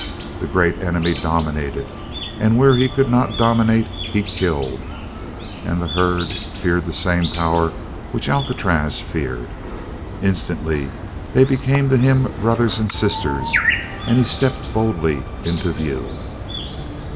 The great enemy dominated, and where he could not dominate he killed. And the herd feared the same power which Alcatraz feared; instantly they became to him brothers and sisters, and he stepped boldly into view.